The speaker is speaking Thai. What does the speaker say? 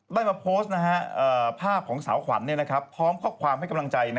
ได้มาโพสต์ภาพของสาวขวัญพร้อมข้อความให้กำลังใจ